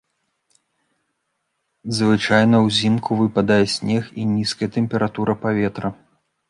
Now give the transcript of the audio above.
Звычайна ўзімку выпадае снег і нізкая тэмпература паветра.